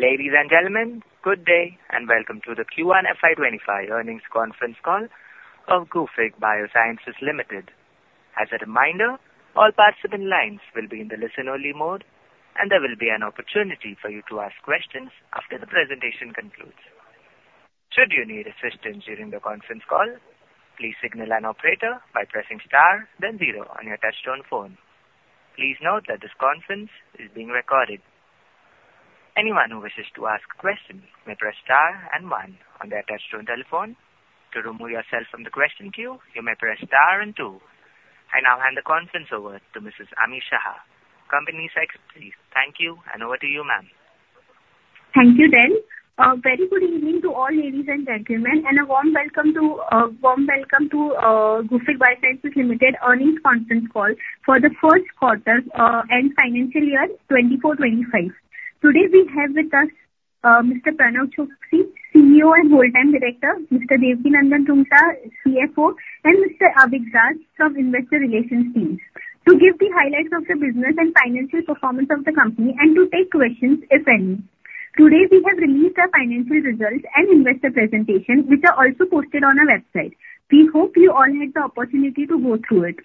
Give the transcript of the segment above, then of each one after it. Ladies and gentlemen, good day, and welcome to the Q1 FY 2025 earnings conference call of Gufic Biosciences Limited. As a reminder, all participant lines will be in the listen-only mode, and there will be an opportunity for you to ask questions after the presentation concludes. Should you need assistance during the conference call, please signal an operator by pressing star, then zero on your touch-tone phone. Please note that this conference is being recorded. Anyone who wishes to ask a question may press star and one on their touchtone telephone. To remove yourself from the question queue, you may press star and two. I now hand the conference over to Mrs. Ami Shah, Company Secretary. Thank you, and over to you, ma'am. Thank you, Dan. A very good evening to all ladies and gentlemen, and a warm welcome to Gufic Biosciences Limited earnings conference call for the first quarter, and financial year 2024, 2025. Today, we have with us Mr. Pranav Choksi, CEO and Whole Time Director, Mr. Devkinandan Roongta, CFO, and Mr. Avik Das from Investor Relations team, to give the highlights of the business and financial performance of the company and to take questions, if any. Today, we have released our financial results and investor presentation, which are also posted on our website. We hope you all had the opportunity to go through it.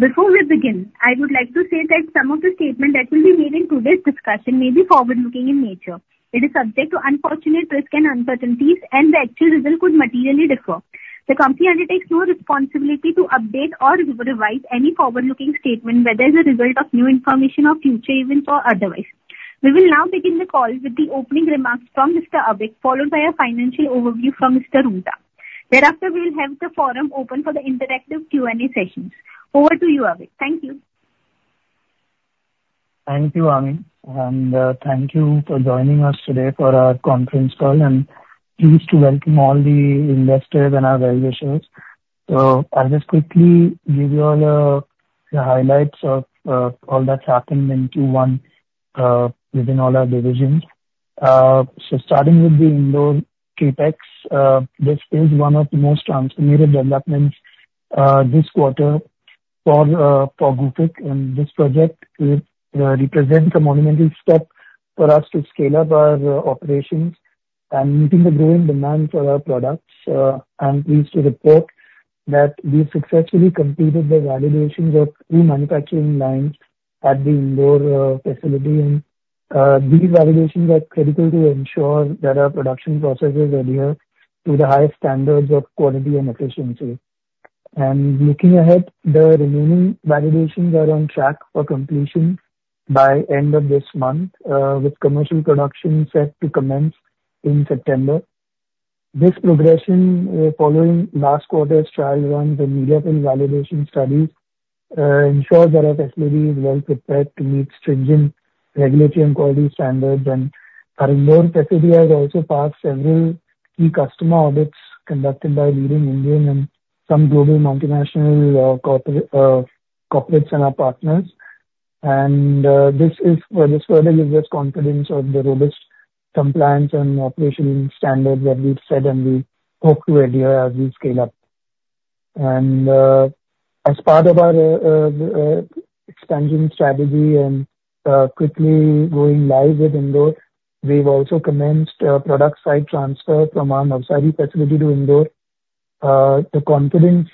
Before we begin, I would like to say that some of the statement that will be made in today's discussion may be forward-looking in nature. It is subject to unfortunate risks and uncertainties, and the actual results could materially differ. The company undertakes no responsibility to update or revise any forward-looking statement, whether as a result of new information or future events or otherwise. We will now begin the call with the opening remarks from Mr. Avik, followed by a financial overview from Mr. Roongta. Thereafter, we'll have the forum open for the interactive Q&A sessions. Over to you, Avik. Thank you. Thank you, Ami, and thank you for joining us today for our conference call and pleased to welcome all the investors and our well-wishers. I'll just quickly give you all the highlights of all that's happened in Q1 within all our divisions. Starting with the Indore CapEx, this is one of the most transformative developments this quarter for Gufic, and this project represents a monumental step for us to scale up our operations and meeting the growing demand for our products. I'm pleased to report that we successfully completed the validations of two manufacturing lines at the Indore facility, and these validations are critical to ensure that our production processes adhere to the highest standards of quality and efficiency. And looking ahead, the remaining validations are on track for completion by end of this month, with commercial production set to commence in September. This progression, following last quarter's trial run and immediate validation studies, ensures that our facility is well prepared to meet stringent regulatory and quality standards. And our Indore facility has also passed several key customer audits conducted by leading Indian and some global multinational corporates and our partners. And, this is, this further gives us confidence on the robust compliance and operational standards that we've set, and we hope to adhere as we scale up. And, as part of our, expansion strategy and, quickly going live with Indore, we've also commenced a product site transfer from our Navsari facility to Indore. The confidence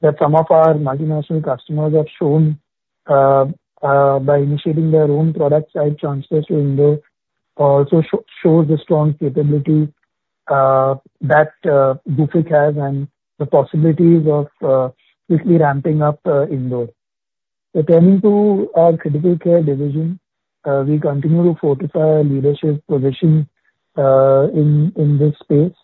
that some of our multinational customers have shown by initiating their own product site transfers to Indore also shows the strong capability that Gufic has and the possibilities of quickly ramping up Indore. So turning to our critical care division, we continue to fortify our leadership position in this space.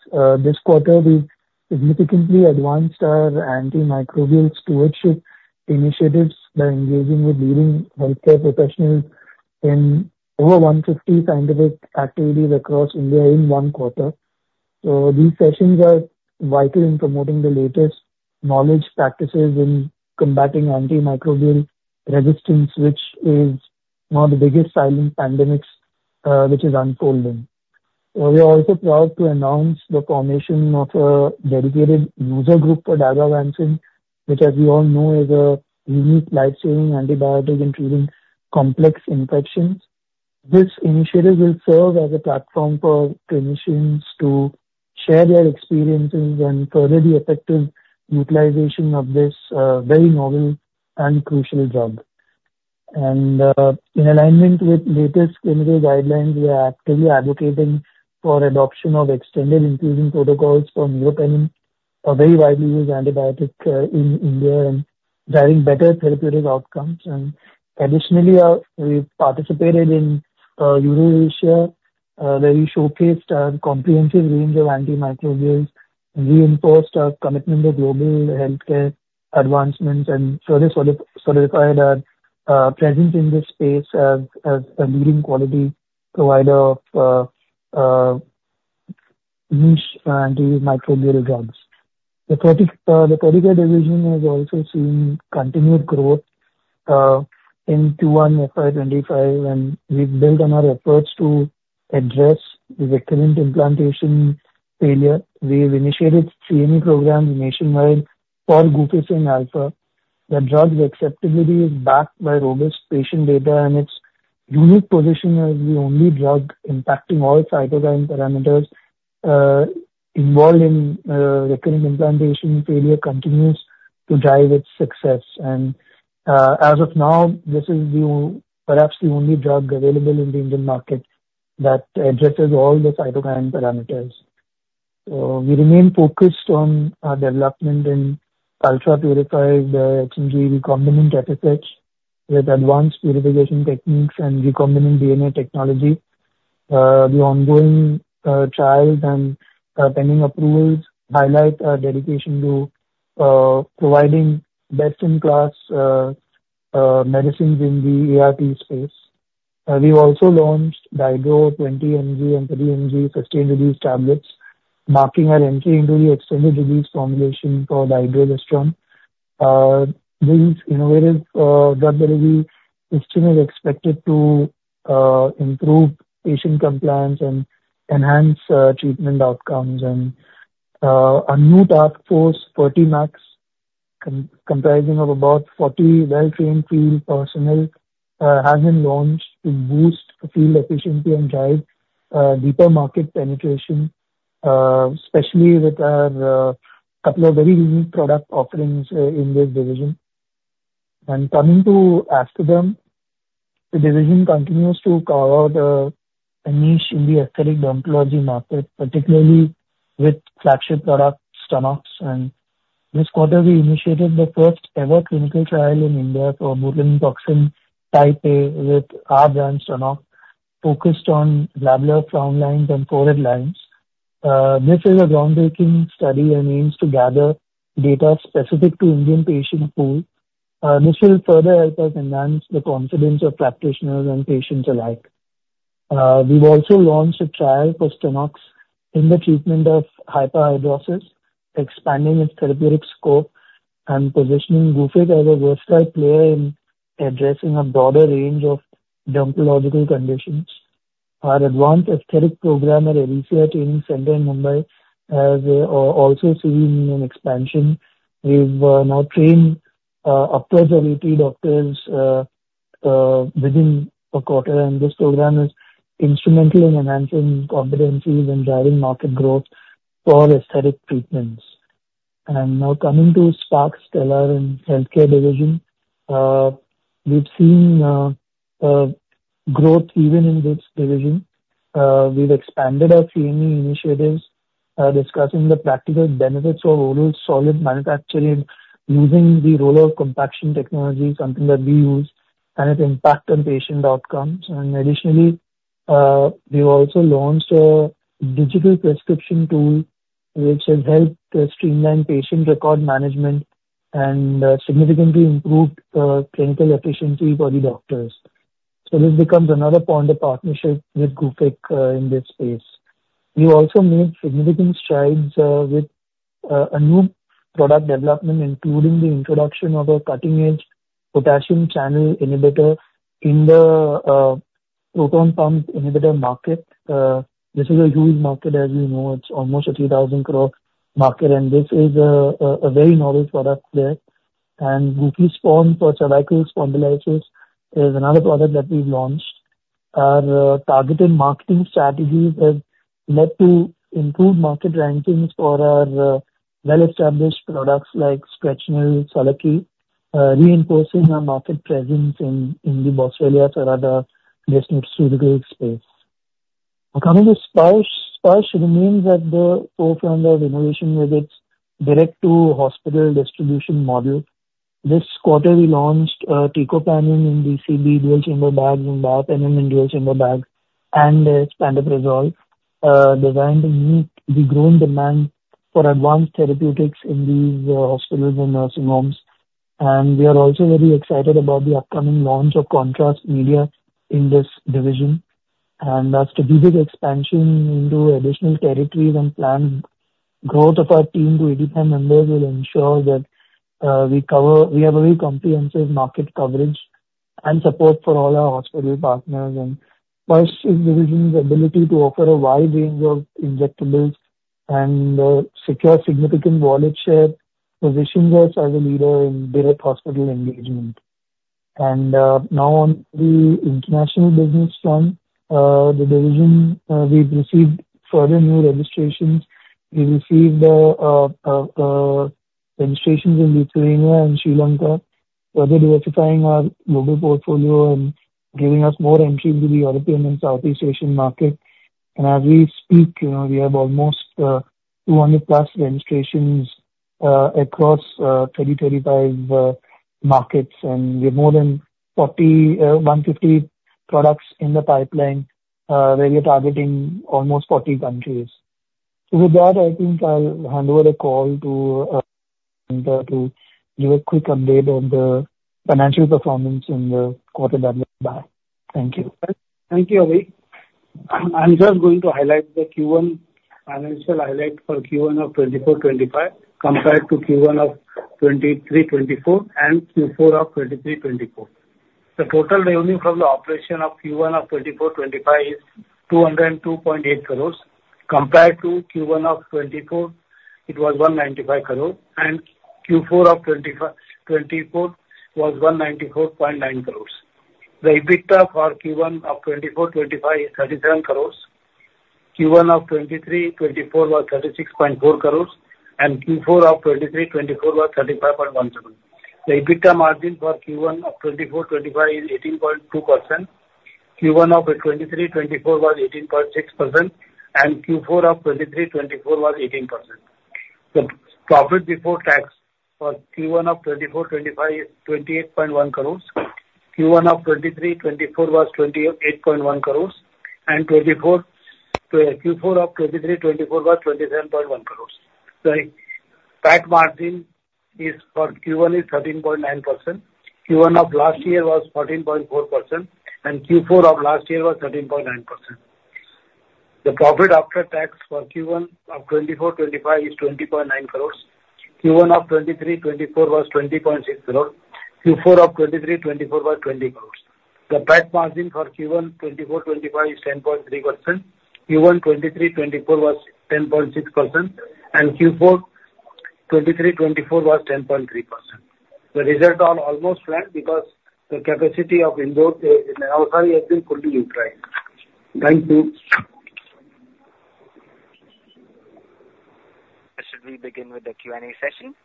This quarter, we've significantly advanced our antimicrobial stewardship initiatives by engaging with leading healthcare professionals in over 150 scientific activities across India in one quarter. So these sessions are vital in promoting the latest knowledge practices in combating antimicrobial resistance, which is one of the biggest silent pandemics, which is unfolding. We are also proud to announce the formation of a dedicated user group for dalbavancin, which, as you all know, is a unique life-saving antibiotic in treating complex infections. This initiative will serve as a platform for clinicians to share their experiences and further the effective utilization of this very novel and crucial drug. In alignment with latest clinical guidelines, we are actively advocating for adoption of extended infusion protocols for mupirocin, a very widely used antibiotic in India, and driving better therapeutic outcomes. Additionally, we participated in Eurasia, where we showcased our comprehensive range of antimicrobials, reinforced our commitment to global healthcare advancements, and further solidified our presence in this space as a leading quality provider of niche antimicrobial drugs. The critical division has also seen continued growth in Q1 FY 2025, and we've built on our efforts to address the recurrent implantation failure. We've initiated CME programs nationwide for Guficin Alpha. The drug's acceptability is backed by robust patient data, and its unique position as the only drug impacting all cytokine parameters involved in recurring implantation failure continues to drive its success. As of now, this is perhaps the only drug available in the Indian market that addresses all the cytokine parameters. So we remain focused on our development in ultra-purified HMG recombinant FSH, with advanced purification techniques and recombinant DNA technology. The ongoing trials and pending approvals highlight our dedication to providing best-in-class medicines in the ART space. We've also launched Dydroboon 20 mg and 30 mg sustained-release tablets, marking our entry into the extended-release formulation for Dydrogesterone. This innovative drug delivery system is expected to improve patient compliance and enhance treatment outcomes. A new task force, Fertimax, comprising of about 40 well-trained field personnel, has been launched to boost field efficiency and drive deeper market penetration, especially with our couple of very unique product offerings in this division. Coming to Aesthederm, the division continues to carve out a niche in the aesthetic dermatology market, particularly with flagship product, Stunox. This quarter, we initiated the first-ever clinical trial in India for botulinum toxin type A with our brand, Stunox, focused on labial frown lines and forehead lines. This is a groundbreaking study and aims to gather data specific to Indian patient pool. This will further help us enhance the confidence of practitioners and patients alike. We've also launched a trial for Stunox in the treatment of hyperhidrosis, expanding its therapeutic scope and positioning Gufic as a versatile player in addressing a broader range of dermatological conditions. Our advanced aesthetic program at Arisia Training Center in Mumbai has also seen an expansion. We've now trained upwards of 80 doctors within a quarter, and this program is instrumental in enhancing competencies and driving market growth for aesthetic treatments. Now coming to Spark, Stellar in healthcare division, we've seen growth even in this division. We've expanded our CME initiatives, discussing the practical benefits of oral solid manufacturing, using the roller compaction technology, something that we use, and its impact on patient outcomes. Additionally, we've also launched a digital prescription tool, which has helped streamline patient record management and significantly improved clinical efficiency for the doctors. So this becomes another point of partnership with Gufic in this space. We also made significant strides with a new product development, including the introduction of a cutting-edge potassium channel inhibitor in the proton pump inhibitor market. This is a huge market, as you know. It's almost a 3,000 crore market, and this is a very novel product there. And Gufoni for cervical spondylosis is another product that we've launched. Our targeted marketing strategies have led to improved market rankings for our well-established products like StretchNil, Sallaki, reinforcing our market presence in the osteoarthritis, especially through Sparsh. Now, coming to Sparsh. Sparsh remains at the forefront of innovation with its direct-to-hospital distribution model. This quarter, we launched Teicoplanin in DCB dual-chamber bags and Daptomycin in dual-chamber bags and Esomeprazole, designed to meet the growing demand for advanced therapeutics in these hospitals and nursing homes. We are also very excited about the upcoming launch of contrast media in this division. Our strategic expansion into additional territories and planned growth of our team to 85 members will ensure that we have a very comprehensive market coverage and support for all our hospital partners. Sparsh division's ability to offer a wide range of injectables and secure significant volume share positions us as a leader in direct hospital engagement. Now on the international business front, the division we've received further new registrations. We received registrations in Lithuania and Sri Lanka, further diversifying our global portfolio and giving us more entry into the European and Southeast Asian market. And as we speak, you know, we have almost 200+ registrations across 35 markets, and we have more than 4,150 products in the pipeline where we are targeting almost 40 countries. So with that, I think I'll hand over the call to to give a quick update on the financial performance in the quarter that went by. Thank you. Thank you, Avik. I'm just going to highlight the Q1 financial highlight for Q1 of 2024-2025, compared to Q1 of 2023-2024 and Q4 of 2023-2024. The total revenue from the operation of Q1 of 2024-2025 is 202.8 crore, compared to Q1 of 2023-2024, it was 195 crore, and Q4 of 2023-2024 was 194.9 crore. The EBITDA for Q1 of 2024-2025 is 37 crore. Q1 of 2023-2024 was 36.4 crore, and Q4 of 2023-2024 was INR 35.17 crore. The EBITDA margin for Q1 of 2024-2025 is 18.2%. Q1 of 2023-2024 was 18.6%, and Q4 of 2023-2024 was 18%. The profit before tax for Q1 of 2024-2025 is 28.1 crore. Q1 of 2023-2024 was 28.1 crores, and 2024, Q4 of 2023-2024 was 27.1 crores. The EBITDA margin for Q1 is 13.9%. Q1 of last year was 14.4%, and Q4 of last year was 13.9%. The profit after tax for Q1 of 2024-2025 is 20.9 crores. Q1 of 2023-2024 was 20.6 crore. Q4 of 2023-2024 was 20 crores. The EBITDA margin for Q1 2024-2025 is 10.3%. Q1 2023-2024 was 10.6%, and Q4 2023-2024 was 10.3%. The result are almost flat because the capacity of Indore in our factory has been fully utilized. Thank you. Should we begin with the Q&A session?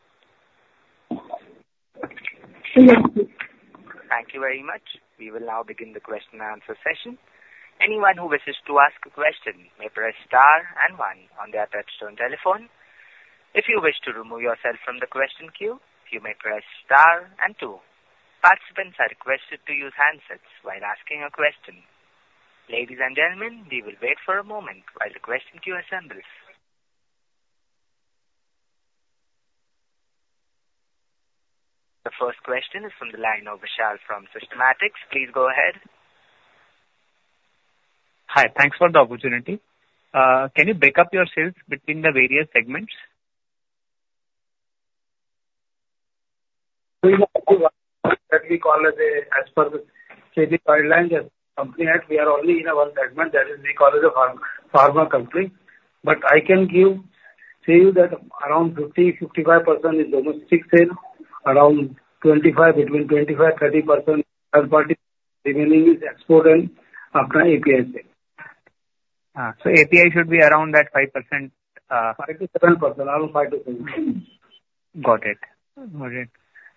Thank you very much. We will now begin the question and answer session. Anyone who wishes to ask a question may press star and one on their touch-tone telephone. If you wish to remove yourself from the question queue, you may press star and two. Participants are requested to use handsets while asking a question. Ladies and gentlemen, we will wait for a moment while the question queue assembles. The first question is from the line of Vishal from Systematix. Please go ahead. Hi, thanks for the opportunity. Can you break up your sales between the various segments? We have only one that we call it a, as per the SEBI guidelines, as company, we are only in one segment that is we call it a pharma company. But I can give, say that around 50%-55% is domestic sales, around 25%, between 25%-30% third party, remaining is export and after API sales. So API should be around that 5%. 5%-10%, around 5%-10%. Got it. Got it.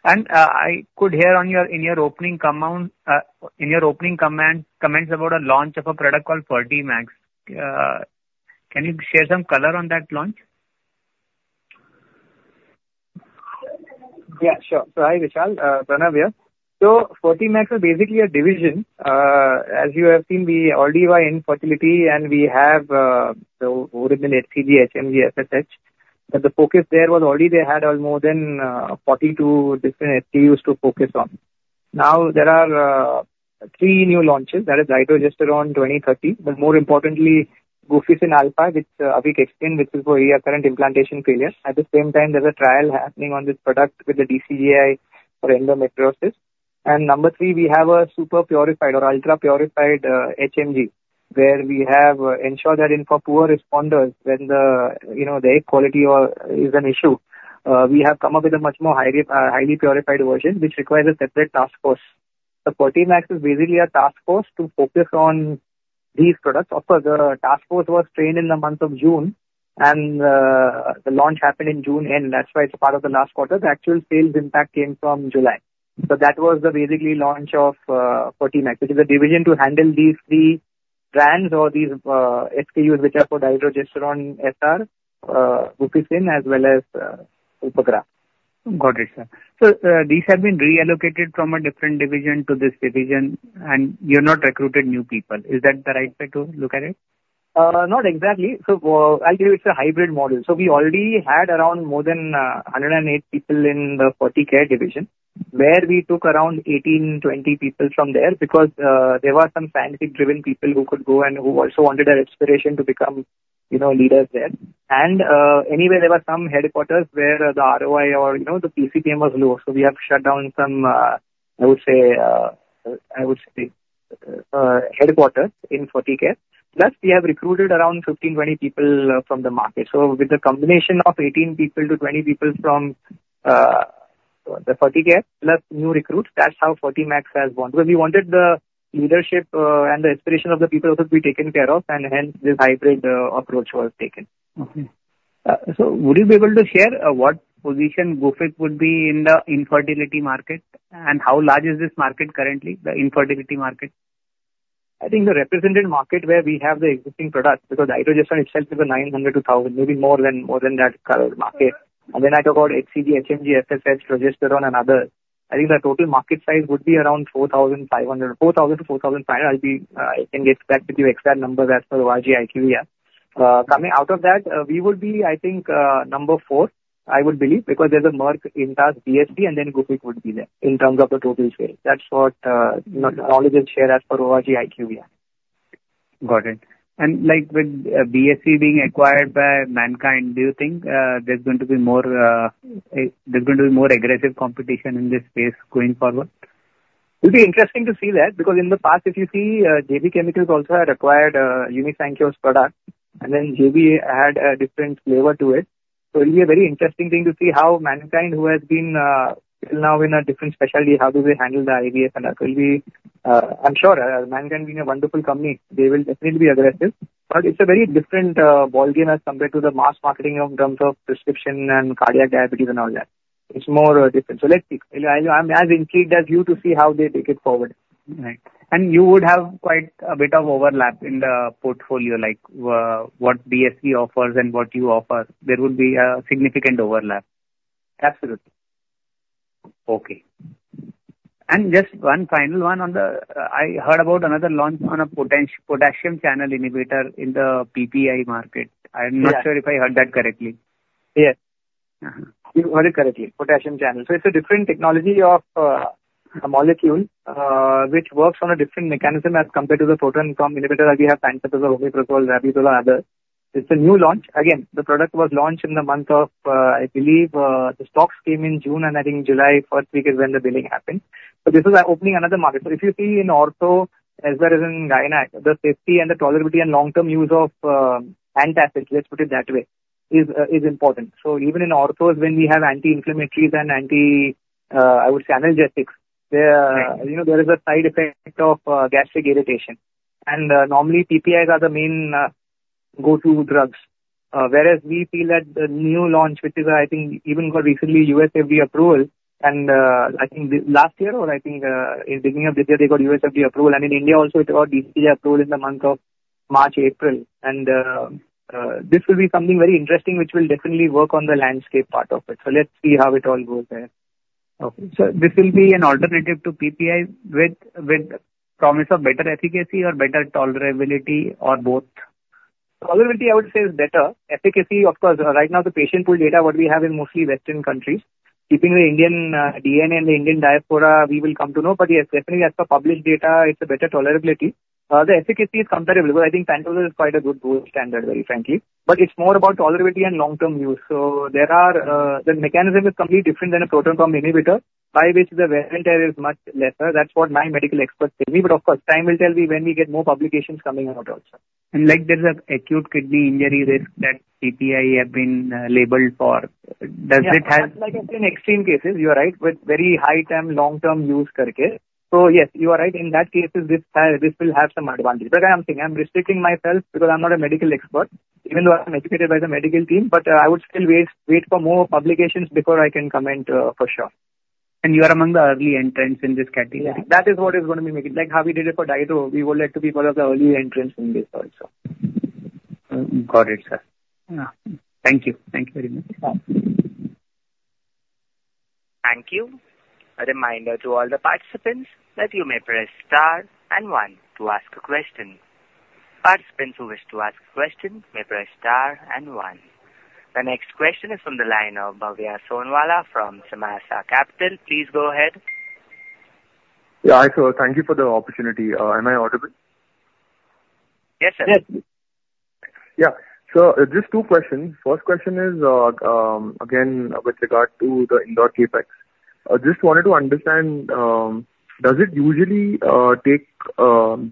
And, I could hear in your opening comments about a launch of a product called Fertimax. Can you share some color on that launch? Yeah, sure. So hi, Vishal, Pranav here. So Fertimax is basically a division. As you have seen, we already were in fertility, and we have more than HCG, HMG, FSH, but the focus there was already they had more than 42 different SKUs to focus on. Now, there are three new launches, that is Dydrogesterone 20-30, but more importantly, Guficin Alpha, which Avik explained, which is for a recurrent implantation failure. At the same time, there's a trial happening on this product with the DCGI for endometriosis. And number three, we have a super purified or ultra-purified HMG, where we have ensured that in for poor responders, when the, you know, the egg quality or is an issue, we have come up with a much more highly highly purified version, which requires a separate task force. The Fertimax is basically a task force to focus on these products. Of course, the task force was trained in the month of June, and, the launch happened in June, and that's why it's part of the last quarter. The actual sales impact came from July. So that was the basically launch of, Fertimax, which is a division to handle these three brands or these, SKUs, which are for Dydrogesterone SR, Guficin, as well as, Ovigraf. Got it, sir. So, these have been reallocated from a different division to this division, and you have not recruited new people. Is that the right way to look at it? Not exactly. So I'll tell you, it's a hybrid model. So we already had around more than 108 people in the Ferticare division, where we took around 18-20 people from there, because there were some scientific-driven people who could go and who also wanted an aspiration to become, you know, leaders there. And anyway, there were some headquarters where the ROI or, you know, the PCPM was low, so we have shut down some, I would say, I would say, headquarters in Ferticare. Plus, we have recruited around 15-20 people from the market. So with a combination of 18-20 people from the Ferticare plus new recruits, that's how Fertimax has gone. Because we wanted the leadership, and the aspiration of the people also to be taken care of, and hence this hybrid approach was taken. Mm-hmm. So would you be able to share what position Gufic would be in the infertility market? How large is this market currently, the infertility market? I think the represented market where we have the existing product, because the Dydrogesterone itself is 900-1,000, maybe more than, more than that current market. And when I talk about HCG, HMG, FSH, progesterone and others, I think the total market size would be around 4,500, 4,000-4,500. I can get back to you with exact numbers as per IQVIA. Coming out of that, we would be, I think, number four, I would believe, because there's a Merck, Intas, BSV, and then Gufic would be there in terms of the total scale. That's what knowledge is shared as per IQVIA.... Got it. And like with BSV being acquired by Mankind, do you think there's going to be more aggressive competition in this space going forward? It'll be interesting to see that, because in the past, if you see, JB Chemicals also had acquired, Sanzyme, and then JB add a different flavor to it. So it will be a very interesting thing to see how Mankind, who has been, till now in a different specialty, how do they handle the IVF product. Will be, I'm sure, Mankind being a wonderful company, they will definitely be aggressive, but it's a very different, ballgame as compared to the mass marketing in terms of prescription and cardiac, diabetes and all that. It's more different. So let's see. I'm, I'm as intrigued as you to see how they take it forward. Right. And you would have quite a bit of overlap in the portfolio, like, what BSV offers and what you offer. There would be a significant overlap. Absolutely. Okay. And just one final one on the... I heard about another launch on a potassium channel inhibitor in the PPI market. Yes. I'm not sure if I heard that correctly. Yes. You heard it correctly, potassium channel. So it's a different technology of, a molecule, which works on a different mechanism as compared to the proton-pump inhibitor, like we have pantoprazole, Omeprazole, Rabeprazole and others. It's a new launch. Again, the product was launched in the month of, I believe, the stocks came in June, and I think July, first week is when the billing happened. So this is opening another market. So if you see in ortho, as well as in gyne, the safety and the tolerability and long-term use of, antacids, let's put it that way, is, is important. So even in orthos, when we have anti-inflammatories and anti, I would say analgesics, there, Right. You know, there is a side effect of gastric irritation. And normally, PPIs are the main go-to drugs. Whereas we feel that the new launch, which is, I think, even got recently, U.S. FDA approval, and I think last year or I think in beginning of this year, they got U.S. FDA approval. And in India also it got DCGI approval in the month of March, April. And this will be something very interesting, which will definitely work on the landscape part of it. So let's see how it all goes there. Okay. So this will be an alternative to PPI with promise of better efficacy or better tolerability, or both? Tolerability, I would say, is better. Efficacy, of course, right now, the patient pool data, what we have in mostly Western countries, keeping the Indian DNA and the Indian diaspora, we will come to know. But yes, definitely as for published data, it's a better tolerability. The efficacy is comparable, because I think Pantoloc is quite a good gold standard, very frankly. But it's more about tolerability and long-term use. So there are, the mechanism is completely different than a proton pump inhibitor, by which the wear and tear is much lesser. That's what my medical experts tell me. But of course, time will tell me when we get more publications coming out also. Like, there's an acute kidney injury risk that PPI have been labeled for. Does it have- Yeah, like in extreme cases, you are right, with very high-term, long-term use karke. So yes, you are right. In that cases, this, this will have some advantage. But I'm saying I'm restricting myself because I'm not a medical expert, even though I'm educated by the medical team, but I would still wait, wait for more publications before I can comment, for sure. You are among the early entrants in this category? Yeah, that is what is going to be making... Like how we did it for Dydro, we would like to be one of the early entrants in this also. Got it, sir. Yeah. Thank you. Thank you very much. Bye. Thank you. A reminder to all the participants that you may press star and one to ask a question. Participants who wish to ask a question, may press star and one. The next question is from the line of Bhavya Sonawala from Samaasa Capital. Please go ahead. Yeah, hi, sir. Thank you for the opportunity. Am I audible? Yes, sir. Yes. Yeah. So just two questions. First question is, again, with regard to the Indore CapEx. I just wanted to understand, does it usually take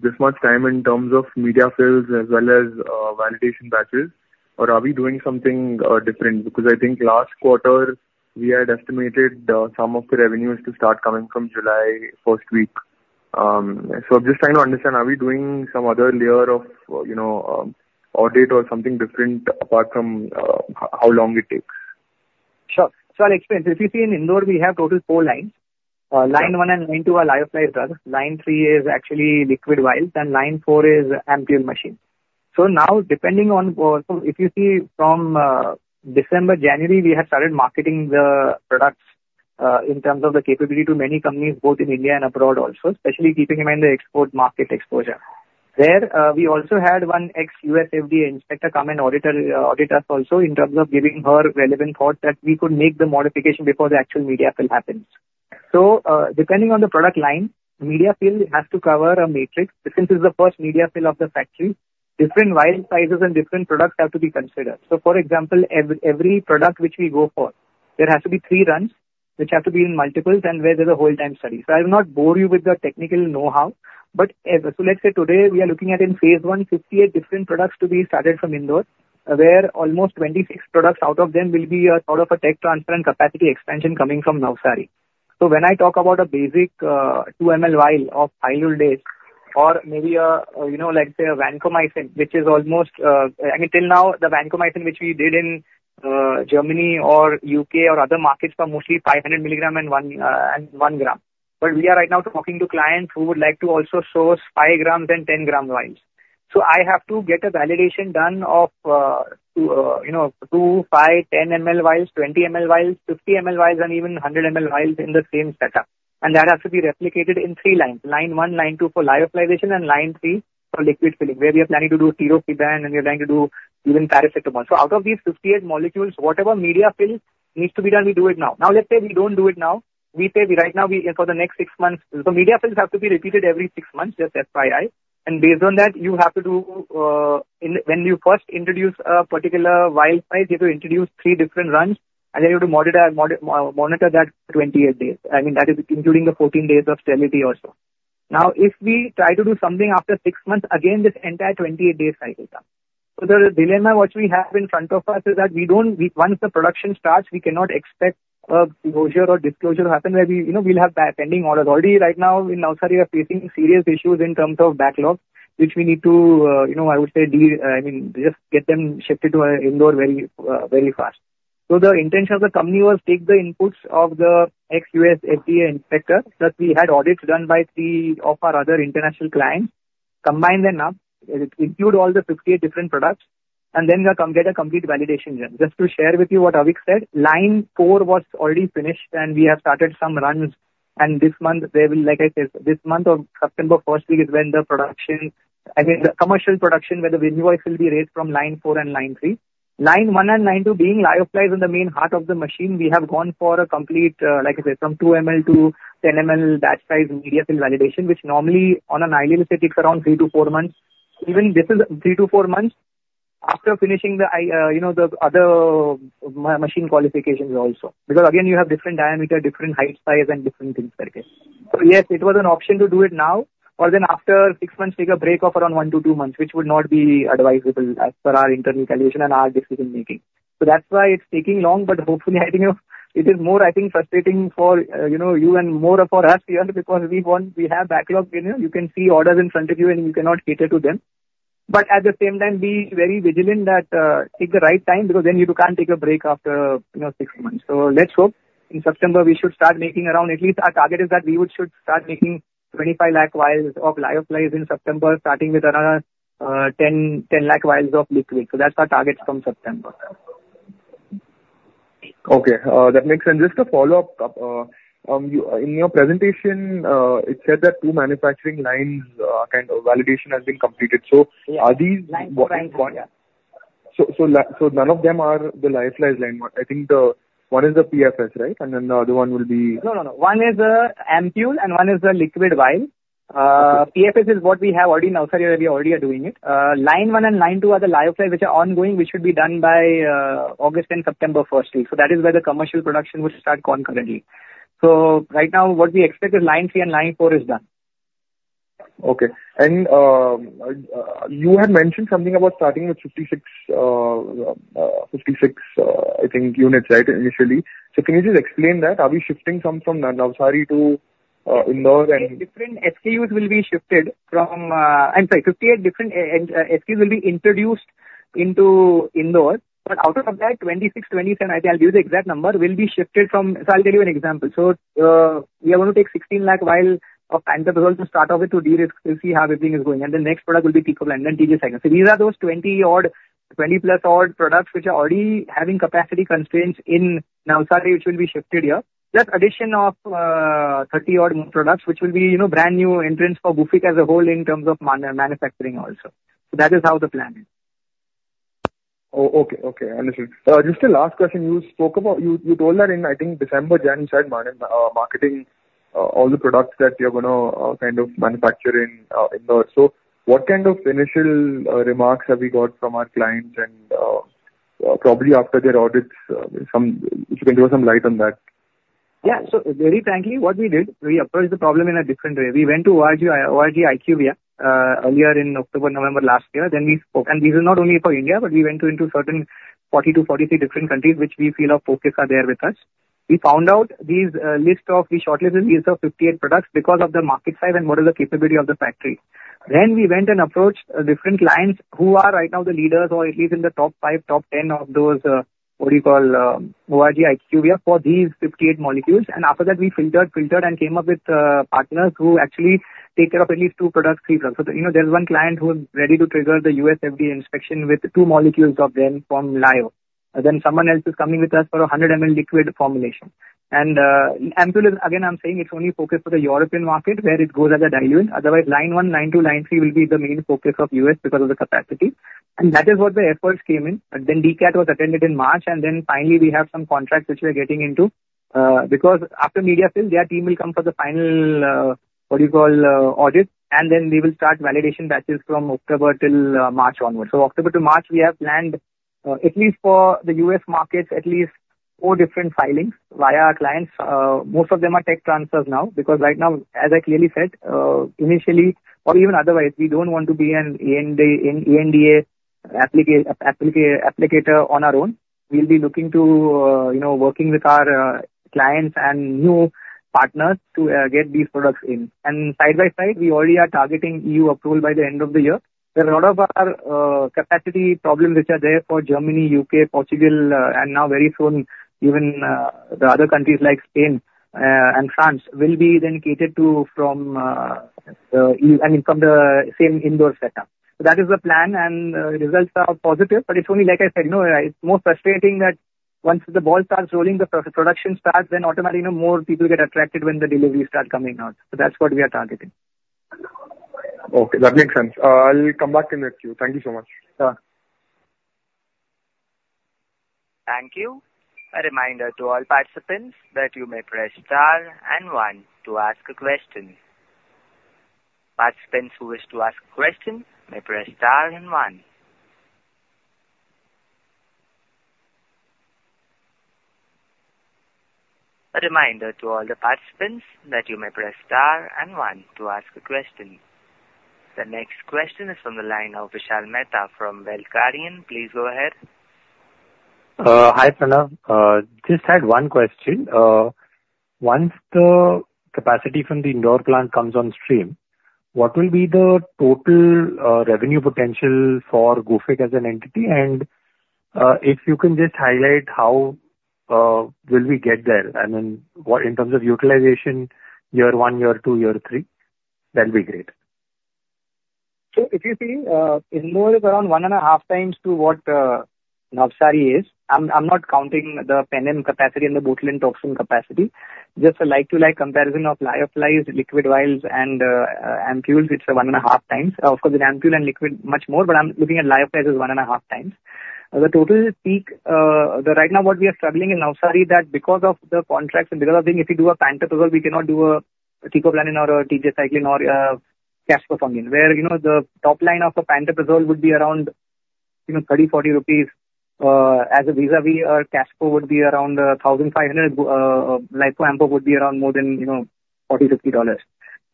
this much time in terms of media fills as well as validation batches? Or are we doing something different? Because I think last quarter, we had estimated some of the revenues to start coming from July, first week. So I'm just trying to understand, are we doing some other layer of, you know, audit or something different apart from how long it takes? Sure. So I'll explain. If you see in Indore, we have total four lines. Sure. Line 1 and line 2 are lyophilized drugs. Line 3 is actually liquid vials, and line four is ampoule machine. So now, depending on so if you see from December, January, we have started marketing the products in terms of the capability to many companies, both in India and abroad also, especially keeping in mind the export market exposure. There, we also had one ex-U.S. FDA inspector come and auditor audit us also in terms of giving her relevant thoughts that we could make the modification before the actual media fill happens. So, depending on the product line, media fill has to cover a matrix. Since this is the first media fill of the factory, different vial sizes and different products have to be considered. So for example, every product which we go for, there has to be three runs, which have to be in multiples and where there's a whole time study. So I will not bore you with the technical know-how, but as... So let's say today we are looking at in phase one, 58 different products to be started from Indore, where almost 26 products out of them will be sort of a tech transfer and capacity expansion coming from Navsari. So when I talk about a basic two ml vial of Fentanyl or maybe, you know, like, say, a vancomycin, which is almost, I mean, till now, the vancomycin which we did in Germany or U.K. or other markets, are mostly 500 mg and 1 and 1 g. But we are right now talking to clients who would like to also source 5 g and 10 g vials. So I have to get a validation done of, you know, 2 ml, you know, 2 ml, 5 ml, 10 ml vials, 20 ml vials, 50 ml vials, and even 100 ml vials in the same setup... and that has to be replicated in three lines. Line 1, line 2 for lyophilization, and line 3 for liquid filling, where we are planning to do zero and we are planning to do even paracetamol. So out of these 58 molecules, whatever media fill needs to be done, we do it now. Now, let's say we don't do it now, we say we right now, we, for the next six months... So media fills have to be repeated every six months, just FYI. And based on that, you have to do, when you first introduce a particular wild type, you have to introduce three different runs, and then you have to monitor that 28 days. I mean, that is including the 14 days of sterility also. Now, if we try to do something after six months, again, this entire 28-day cycle comes. So the dilemma which we have in front of us is that we don't-- we-- once the production starts, we cannot expect a closure or disclosure to happen, where we, you know, we'll have the pending orders. Already right now, in Navsari, we are facing serious issues in terms of backlogs, which we need to, you know, I would say, deal, I mean, just get them shifted to Indore very, very fast. So the intention of the company was to take the inputs of the ex-U.S. FDA inspector, that we had audits done by three of our other international clients, combine them up, include all the 58 different products, and then we are going to get a complete validation done. Just to share with you what Avik said, line four was already finished, and we have started some runs, and this month they will, like I said, this month of September first week is when the production, I mean, the commercial production, where the device will be raised from line four and line three. Line one and line two, being lyophilized in the main heart of the machine, we have gone for a complete, like I said, from 2 ml to 10 ml batch size media fill validation, which normally on an annual basis takes around three to four months. Even this is three to four months after finishing the I- you know, the other machine qualifications also. Because again, you have different diameter, different height, size, and different things like this. So yes, it was an option to do it now, or then after six months, take a break of around one to two months, which would not be advisable as per our internal calculation and our decision making. So that's why it's taking long, but hopefully, I think it is more, I think, frustrating for, you know, you and more for us here, because we want, we have backlog. You know, you can see orders in front of you, and you cannot cater to them. But at the same time, be very vigilant that, take the right time, because then you can't take a break after, you know, six months. So let's hope in September we should start making around... At least our target is that we would should start making 25 lakh vials of lyophilized in September, starting with around 10 lakh vials of liquid. So that's our target from September. Okay, that makes sense. Just a follow-up. You, in your presentation, it said that two manufacturing lines, kind of validation has been completed. Yeah. So are these- Line 1, yeah. So none of them are the lyophilized line 1. I think the one is the PFS, right? And then the other one will be- No, no, no. One is the ampoule and one is the liquid vial. Okay. PFS is what we have already now, so we already are doing it. Line one and line two are the lyophilized, which are ongoing, which should be done by August and September first week. So that is where the commercial production will start concurrently. So right now, what we expect is line 3 and line 4 is done. Okay. And, you had mentioned something about starting with 56, I think, units, right, initially. So can you just explain that? Are we shifting some from Navsari to, Indore and- Different SKUs will be shifted from, I'm sorry, 58 different SKUs will be introduced into Indore, but out of that, 26, 27, I think I'll give you the exact number, will be shifted from. So I'll tell you an example: So, we are going to take 16 lakh vials of pantoprazole to start off with, to de-risk, to see how everything is going, and the next product will be Teicoplanin. So these are those 20-odd, 20+ odd products, which are already having capacity constraints in Navsari, which will be shifted here. Plus, addition of, 30-odd more products, which will be, you know, brand new entrants for Gufic as a whole in terms of manufacturing also. So that is how the plan is. Oh, okay. Okay, understood. Just a last question. You spoke about... You told that in, I think, December, January, marketing, all the products that you're gonna, kind of manufacture in, Indore. So what kind of initial remarks have we got from our clients and, probably after their audits, some, if you can throw some light on that? Yeah. So very frankly, what we did, we approached the problem in a different way. We went to IQVIA, IQVIA, earlier in October, November last year, then we spoke. And this is not only for India, but we went into certain 40-43 different countries, which we feel our focus are there with us. We found out these, list of, we shortlisted these of 58 products because of the market size and model the capability of the factory. Then we went and approached, different clients who are right now the leaders, or at least in the top five, top 10 of those, what do you call, IQVIA, for these 58 molecules. And after that, we filtered and came up with, partners who actually take care of at least two products, three products. So you know, there's one client who is ready to trigger the U.S. FDA inspection with two molecules of them from Lyo. Then someone else is coming with us for a 100 ml liquid formulation. And, ampoule, again, I'm saying it's only focused for the European market where it goes as a diluent. Otherwise, line 1, line 2, line 3 will be the main focus of U.S. because of the capacity. And that is what the efforts came in. And then DCAT was attended in March, and then finally, we have some contracts which we are getting into, because after media fill, their team will come for the final, what do you call, audit, and then we will start validation batches from October till March onwards. So October to March, we have planned at least for the U.S. markets at least four different filings via our clients. Most of them are tech transfers now, because right now, as I clearly said, initially or even otherwise, we don't want to be an ANDA applicator on our own. We'll be looking to, you know, working with our clients and new partners to get these products in. And side by side, we already are targeting EU approval by the end of the year, where a lot of our capacity problems which are there for Germany, U.K., Portugal, and now very soon, even the other countries like Spain and France, will be then catered to from, I mean, from the same Indore setup. So that is the plan, and results are positive, but it's only like I said, you know, it's more frustrating that once the ball starts rolling, the production starts, then automatically, you know, more people get attracted when the deliveries start coming out. So that's what we are targeting. ...Okay, that makes sense. I'll come back in the queue. Thank you so much. Thank you. A reminder to all participants that you may press star and one to ask a question. Participants who wish to ask a question may press star and one. A reminder to all the participants that you may press star and one to ask a question. The next question is from the line of Vishal Mehta from Welcardion. Please go ahead. Hi, Pranav. Just had one question. Once the capacity from the Indore plant comes on stream, what will be the total revenue potential for Gufic as an entity? And, if you can just highlight how will we get there, and then what in terms of utilization, year one, year two, year three, that'll be great. So if you see, Indore is around 1.5 times to what Navsari is. I'm not counting the PPI capacity and the Botulinum Toxin capacity. Just a like-to-like comparison of lyophilized, liquid vials and ampoules, it's 1.5 times. Of course, the ampoule and liquid, much more, but I'm looking at lyophilized as 1.5 times. The total peak, right now what we are struggling in Navsari, that's because of the contracts and because of then if we do a pantoprazole, we cannot do a ticagrelor or caspofungin. Where, you know, the top line of the pantoprazole would be around, you know, 30-40 rupees as vis-a-vis, our Caspo would be around 1,500, Lyo ampoule would be around more than, you know, $40-$50.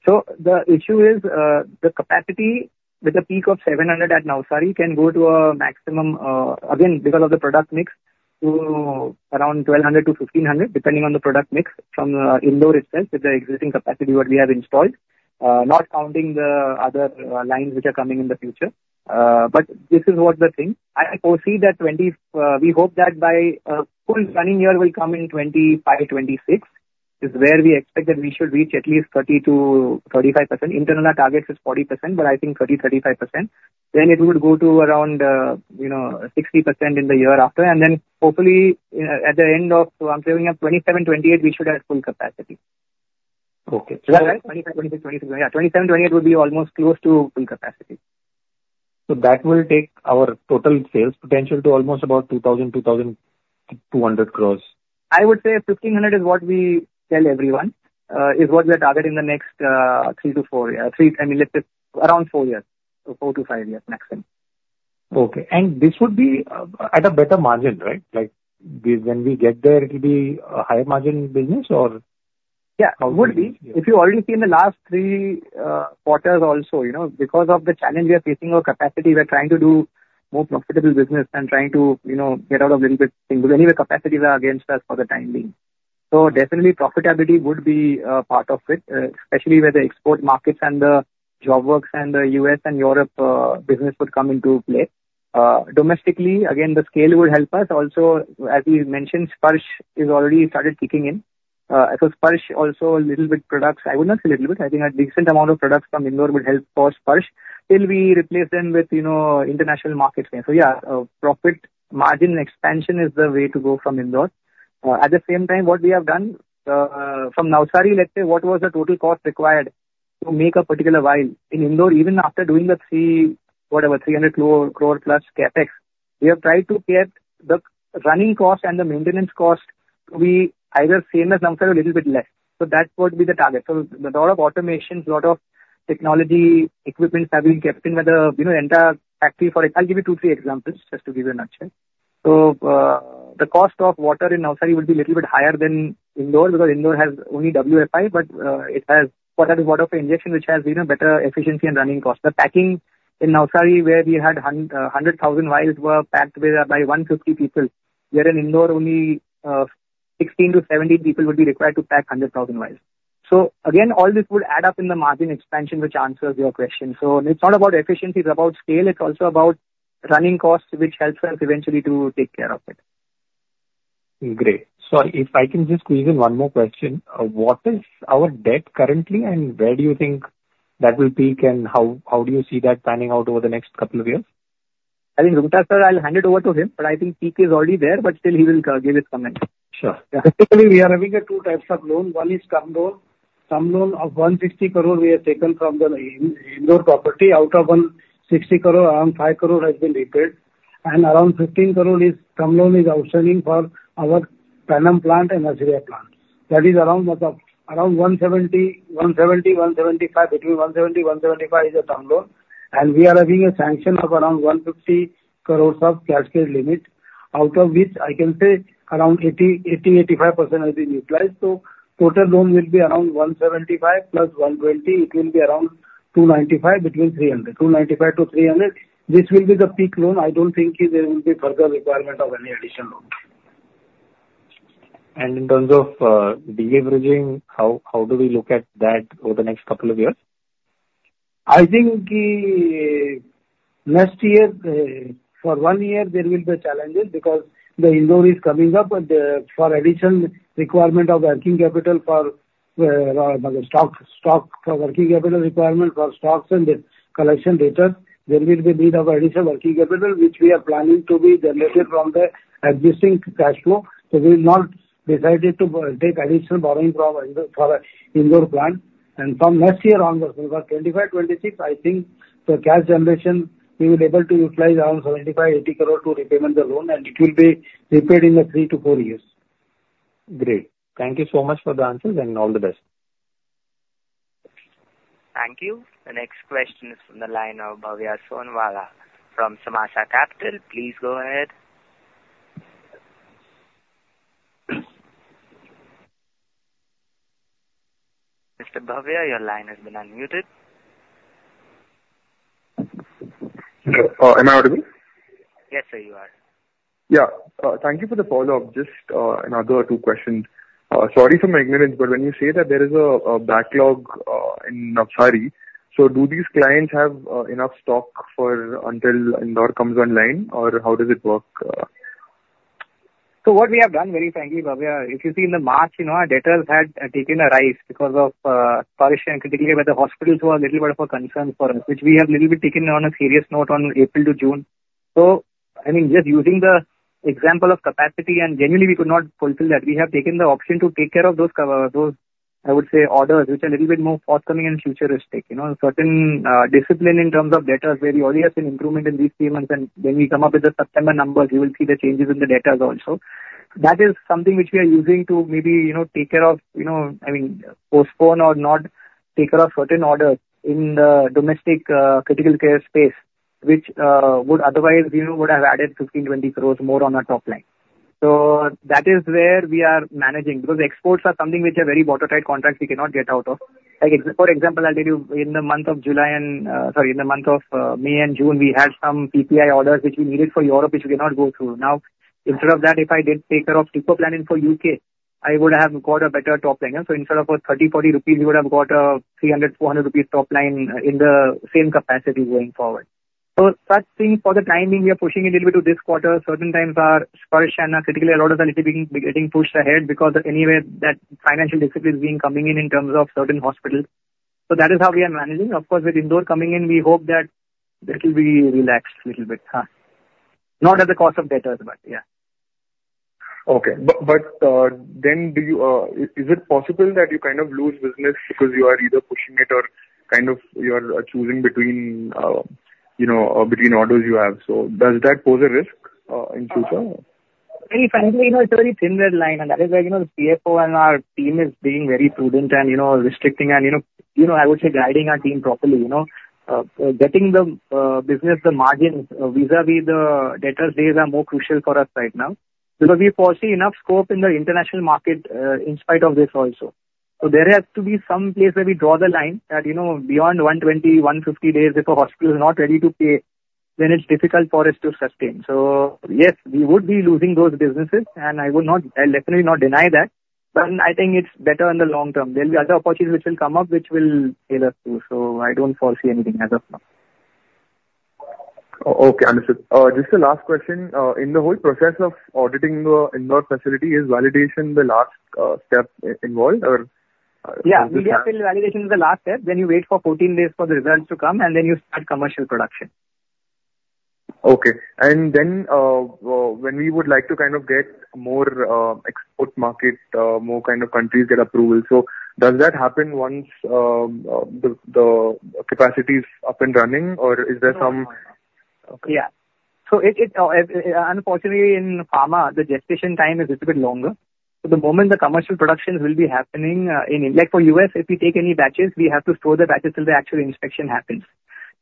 So the issue is, the capacity with a peak of 700 at Navsari can go to a maximum, again, because of the product mix, to around 1,200-1,500, depending on the product mix from, Indore itself, with the existing capacity what we have installed, not counting the other, lines which are coming in the future. But this is what the thing. I, I foresee that 20, we hope that by, full running year will come in 2025, 2026, is where we expect that we should reach at least 30%-35%. Internal, our targets is 40%, but I think 30-35%. Then it would go to around, you know, 60% in the year after. And then hopefully, at the end of, I'm saying at 2027, 2028, we should have full capacity. Okay. 2025, 2026, 2027. Yeah, 2027, 2028 would be almost close to full capacity. So that will take our total sales potential to almost about 2,000 crores-2,200 crores. I would say 1,500 is what we tell everyone is what we are targeting the next three to four years, three, I mean, let's say around four years. So four to five years, maximum. Okay. And this would be at a better margin, right? Like, we, when we get there, it will be a higher margin business or? Yeah, it would be. If you already see in the last three quarters also, you know, because of the challenge we are facing our capacity, we are trying to do more profitable business and trying to, you know, get out a little bit, because anyway, capacities are against us for the time being. So definitely profitability would be part of it, especially where the export markets and the job works and the U.S. and Europe business would come into play. Domestically, again, the scale would help us. Also, as we mentioned, Sparsh is already started kicking in. So Sparsh also a little bit products. I would not say a little bit. I think a decent amount of products from Indore would help for Sparsh till we replace them with, you know, international markets. So yeah, profit margin expansion is the way to go from Indore. At the same time, what we have done from Navsari, let's say, what was the total cost required to make a particular vial? In Indore, even after doing the 300 crore-plus CapEx, we have tried to get the running cost and the maintenance cost to be either same as Navsari or a little bit less. So that would be the target. So a lot of automations, a lot of technology equipments have been kept in by the, you know, entire factory. For example, I'll give you two, three examples, just to give you a nutshell. So, the cost of water in Navsari will be little bit higher than Indore, because Indore has only WFI, but, it has what are the water for injection, which has, you know, better efficiency and running costs. The packing in Navsari, where we had hundred thousand vials were packed with, by 150 people, wherein Indore only, sixteen to seventeen people would be required to pack 100,000 vials. So again, all this would add up in the margin expansion, which answers your question. So it's not about efficiency, it's about scale, it's also about running costs, which helps us eventually to take care of it. Great. So if I can just squeeze in one more question: what is our debt currently, and where do you think that will peak, and how do you see that panning out over the next couple of years? I think, Roongta sir, I'll hand it over to him, but I think he is already there, but still he will give his comment. Sure. Yeah. Basically, we are having two types of loan. One is term loan. Term loan of 160 crore we have taken from the Indore property. Out of 160 crore, around 5 crore has been repaid, and around 15 crore term loan is outstanding for our Penem plant and Azaria plant. That is around 170 crore-175 crore is a term loan. And we are having a sanction of around 150 crore of cash flow limit, out of which I can say around 80%-85% has been utilized. So total loan will be around 175 crore plus 120 crore, it will be around 295 crore, between 300 crore. 295 crore-300 crore. This will be the peak loan. I don't think there will be further requirement of any additional loans. In terms of deleveraging, how, how do we look at that over the next couple of years? I think the next year, for one year, there will be challenges because the Indore is coming up, and for additional requirement of working capital for-... stock, stock working capital requirement for stocks and the collection data, there will be need of additional working capital, which we are planning to be generated from the existing cash flow. So we've not decided to take additional borrowing from Indo- for our Indore plant. And from next year onwards, for 2025, 2026, I think the cash generation, we will be able to utilize around 75 crore-80 crore to repayment the loan, and it will be repaid in the three to four years. Great. Thank you so much for the answers, and all the best. Thank you. The next question is from the line of Bhavya Sonawala from Samaasa Capital. Please go ahead. Mr. Bhavya, your line has been unmuted. Am I audible? Yes, sir, you are. Yeah, thank you for the follow-up. Just, another two questions. Sorry for my ignorance, but when you say that there is a backlog in Navsari, so do these clients have enough stock for until Indore comes online, or how does it work? So what we have done, very frankly, Bhavya, if you see in the March, you know, our debtors had taken a rise because of Sparsh and critical care, where the hospitals were a little bit of a concern for us, which we have little bit taken on a serious note on April to June. I mean, just using the example of capacity, and generally, we could not fulfill that. We have taken the option to take care of those, I would say, orders, which are a little bit more forthcoming and futuristic. You know, certain discipline in terms of debtors, where we already have seen improvement in these three months, and when we come up with the September numbers, you will see the changes in the debtors also. That is something which we are using to maybe, you know, take care of, you know, I mean, postpone or not take care of certain orders in the domestic, critical care space, which would otherwise, you know, would have added 15 crores-20 crores more on our top line. So that is where we are managing, because exports are something which are very watertight contracts we cannot get out of. Like, for example, I'll tell you, in the month of May and June, we had some PPI orders which we needed for Europe, which we cannot go through. Now, instead of that, if I did take care of strategic planning for U.K., I would have got a better top line. So instead of 30-40 rupees, we would have got a 300-400 rupees top line in the same capacity going forward. So such things for the time being, we are pushing a little bit to this quarter. Certain times our Sparsh and our critical care orders are little bit getting pushed ahead, because anyway, that financial discipline is being coming in terms of certain hospitals. So that is how we are managing. Of course, with Indore coming in, we hope that that will be relaxed little bit. Not at the cost of debtors, but yeah. Okay. But then, is it possible that you kind of lose business because you are either pushing it or kind of you are choosing between, you know, between orders you have? So does that pose a risk in future? Very frankly, you know, it's a very thin, red line, and that is why, you know, the CFO and our team is being very prudent and, you know, restricting and, you know, you know, I would say guiding our team properly, you know. Getting the business, the margins, vis-à-vis the debtors days are more crucial for us right now. Because we foresee enough scope in the international market, in spite of this also. So there has to be some place where we draw the line, that, you know, beyond 120, 150 days, if a hospital is not ready to pay, then it's difficult for us to sustain. So yes, we would be losing those businesses, and I would not... I'll definitely not deny that, but I think it's better in the long term. There will be other opportunities which will come up, which will sail us through. So I don't foresee anything as of now. Okay, understood. Just the last question. In the whole process of auditing the Indore facility, is validation the last step involved, or- Yeah. Validation is the last step. Then you wait for 14 days for the results to come, and then you start commercial production. Okay. And then, when we would like to kind of get more export market, more kind of countries get approval. So does that happen once the capacity is up and running, or is there some- Yeah. So it, unfortunately, in pharma, the gestation time is little bit longer. So the moment the commercial productions will be happening, in like for U.S., if we take any batches, we have to store the batches till the actual inspection happens.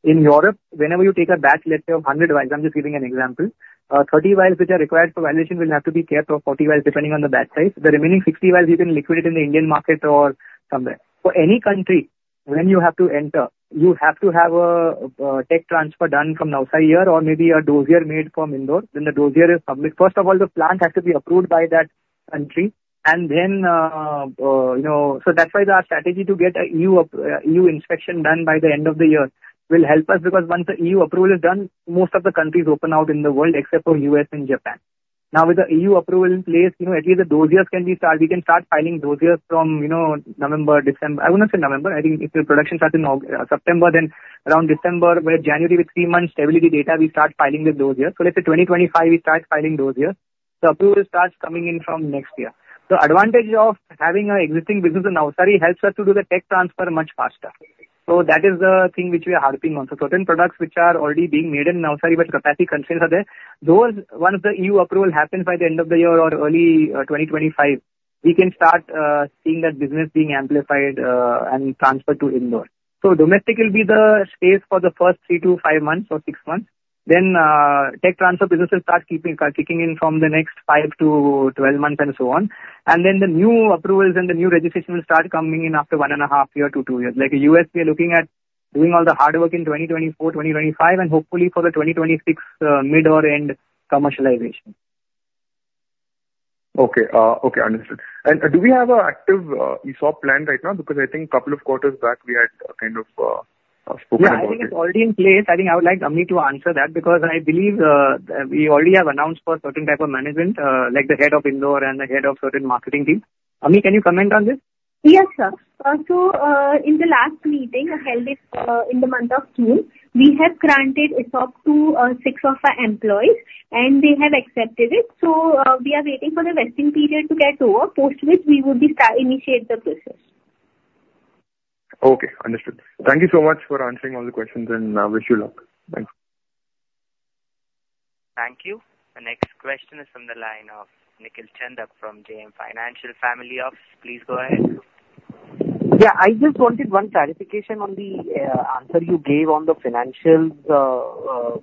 In Europe, whenever you take a batch, let's say of 100 vials, I'm just giving an example, 30 vials which are required for validation will have to be kept for 40 vials, depending on the batch size. The remaining 60 vials you can liquidate in the Indian market or somewhere. For any country, when you have to enter, you have to have a, tech transfer done from Navsari here, or maybe a dossier made from Indore. Then the dossier is public. First of all, the plant has to be approved by that country, and then, you know... So that's why our strategy to get an EU up, EU inspection done by the end of the year will help us, because once the EU approval is done, most of the countries open up in the world, except for U.S. and Japan. Now, with the EU approval in place, you know, at least the dossiers can start, we can start filing dossiers from, you know, November, December. I would not say November. I think if the production starts in August-September, then around December or January, with three months stability data, we start filing the dossier. So let's say 2025, we start filing dossier. The approval starts coming in from next year. The advantage of having an existing business in Navsari helps us to do the tech transfer much faster. So that is the thing which we are harping on. Certain products which are already being made in Navsari, but capacity constraints are there, those, once the EU approval happens by the end of the year or early 2025, we can start seeing that business being amplified and transferred to Indore. Domestic will be the space for the first three to five months or six months. Then, tech transfer businesses start keeping kicking in from the next five to 12 months and so on. And then the new approvals and the new registration will start coming in after 1.5 to two years. Like U.S., we are looking at doing all the hard work in 2024, 2025, and hopefully for the 2026, mid or end commercialization. Okay, okay, understood. And do we have an active ESOP plan right now? Because I think couple of quarters back, we had kind of,... Yeah, I think it's already in place. I think I would like Ami to answer that, because I believe we already have announced for certain type of management, like the head of Indore and the head of certain marketing team. Ami, can you comment on this? Yes, sir. So, in the last meeting held in the month of June, we have granted ESOP to six of our employees, and they have accepted it. So, we are waiting for the vesting period to get over, post which we would initiate the process. Okay, understood. Thank you so much for answering all the questions, and I wish you luck. Thanks. Thank you. The next question is from the line of Nikhil Chandak from JM Financial Family Office. Please go ahead. Yeah, I just wanted one clarification on the answer you gave on the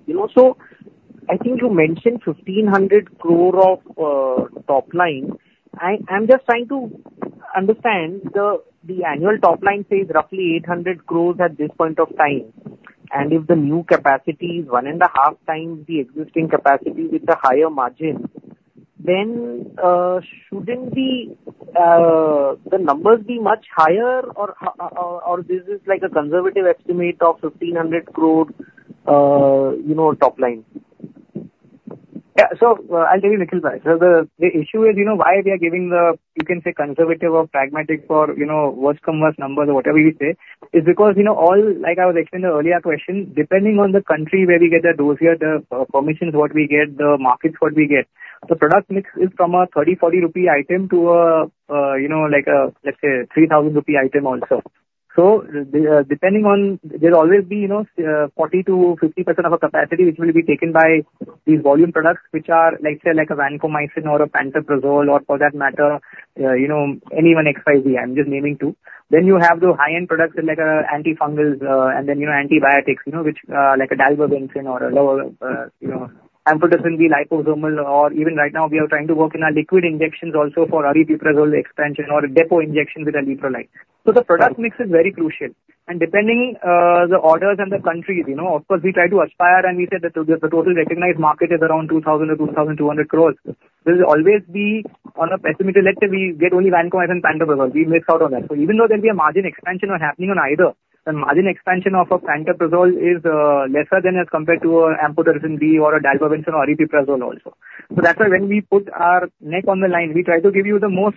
you know, so I think you mentioned 1,500 crore of top line. I'm just trying to understand the annual top line says roughly 800 crore at this point of time, and if the new capacity is 1.5 times the existing capacity with a higher margin, then shouldn't the numbers be much higher, or this is like a conservative estimate of 1,500 crore, you know, top line? Yeah. So I'll tell you, Nikhil, so the issue is, you know, why we are giving the, you can say, conservative or pragmatic or, you know, worse come to worse numbers or whatever you say, is because, you know, all, like I was explaining the earlier question, depending on the country where we get the dossier, the permissions, what we get, the markets, what we get. The product mix is from a 30-40 rupee item to, you know, like a, let's say, a 3,000 rupee item also. So the, depending on... There'll always be, you know, 40%-50% of our capacity, which will be taken by these volume products, which are, let's say, like a vancomycin or a pantoprazole or for that matter, you know, any one XYZ, I'm just naming two. Then you have the high-end products like antifungals and then, you know, antibiotics, you know, which like a dalbavancin or a low, you know, amphotericin B liposomal, or even right now, we are trying to work in our liquid injections also for aripiprazole expansion or a depot injection with haloperidol. So the product mix is very crucial. And depending the orders and the countries, you know, of course, we try to aspire, and we said that the total recognized market is around 2,000 crores or 2,200 crores. There will always be on a pessimistic, let's say we get only vancomycin, pantoprazole, we miss out on that. So even though there'll be a margin expansion on happening on either, the margin expansion of a pantoprazole is lesser than as compared to a amphotericin B or a dalbavancin or aripiprazole also. So that's why when we put our neck on the line, we try to give you the most,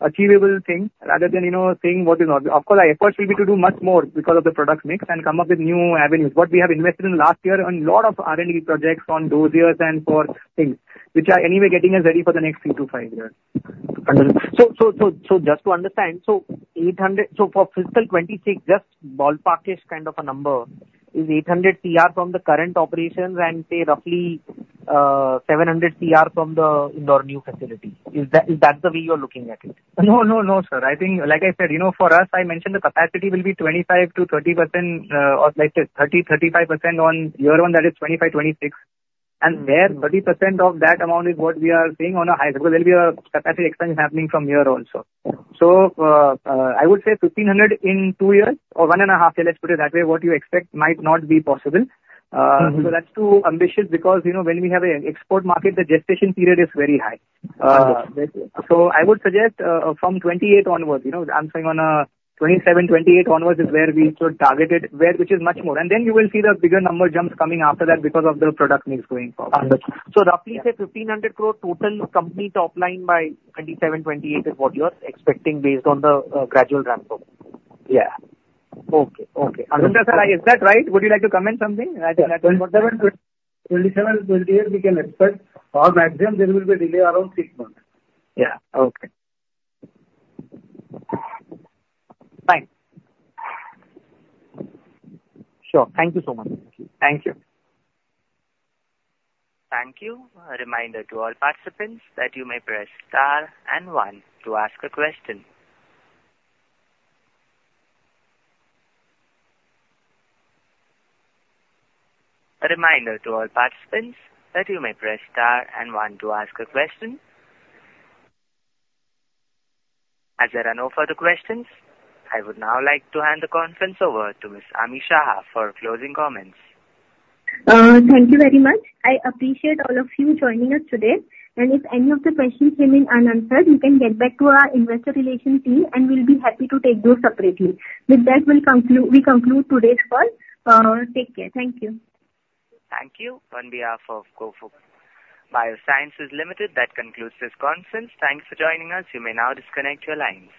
achievable thing, rather than, you know, saying what is not. Of course, our efforts will be to do much more because of the product mix and come up with new avenues. But we have invested in last year on a lot of R&D projects on those years and for things which are anyway getting us ready for the next three to five years. Understood. So just to understand, for fiscal 2026, just ballparkish kind of a number, is 800 crore from the current operations and say roughly 700 crore from the Indore new facility. Is that the way you're looking at it? No, no, no, sir. I think, like I said, you know, for us, I mentioned the capacity will be 25%-30%, or let's say 30%-35% on year one, that is 2025-2026. And there, 30% of that amount is what we are saying on a high, because there will be a capacity expansion happening from here also. So, I would say 1,500 in two years or 1.5 year, let's put it that way, what you expect might not be possible. So that's too ambitious because, you know, when we have an export market, the gestation period is very high. Very clear. So I would suggest from 2028 onwards, you know, I'm saying on 2027, 2028 onwards is where we should target it, where, which is much more. And then you will see the bigger number jumps coming after that because of the product mix going forward. Understood. So roughly say 1,500 crore total company top line by 2027, 2028 is what you are expecting based on the, gradual ramp-up? Yeah. Okay. Okay. Roongta sir, is that right? Would you like to comment something at, 2027? 2027, 2028, we can expect, or maximum there will be a delay around six months. Yeah. Okay. Thanks. Sure. Thank you so much. Thank you. Thank you. A reminder to all participants that you may press star and one to ask a question. A reminder to all participants that you may press star and one to ask a question. As there are no further questions, I would now like to hand the conference over to Ms. Ami Shah for closing comments. Thank you very much. I appreciate all of you joining us today. If any of the questions remain unanswered, you can get back to our Investor Relations team, and we'll be happy to take those separately. With that, we'll conclude, we conclude today's call. Take care. Thank you. Thank you. On behalf of Gufic Biosciences Limited, that concludes this conference. Thanks for joining us. You may now disconnect your lines.